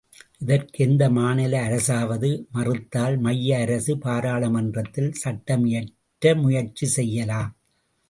இதற்கு எந்த மாநில அரசாவது மறுத்தால் மைய அரசு பாராளு மன்றத்தில் சட்டமியற்ற முயற்சி செய்யலாம்.